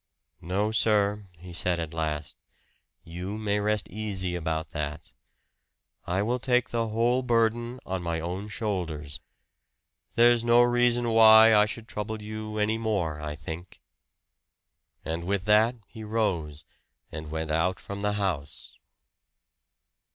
"No, sir," he said at last, "you may rest easy about that. I will take the whole burden on my own shoulders. There's no reason why I should trouble you any more, I think." And with that he rose, and went out from the house.